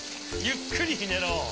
ゆっくりひねろう。